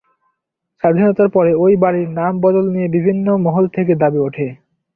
স্বাধীনতার পরে ওই বাড়ির নাম বদল নিয়ে বিভিন্ন মহল থেকে দাবি ওঠে।